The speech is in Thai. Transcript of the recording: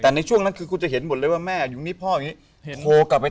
ตอนนี้ช่วงนั้นคุณจะเห็นหมดเลยว่าแม่อยู่นี่พ่อไง